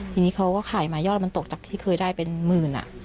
ทีนี้เขาก็ขายมายอดแล้วมันตกจากที่เคยได้เป็นหมื่น